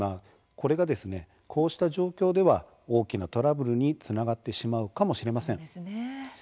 これが、こうした状況では大きなトラブルにつながってしまうかもしれません。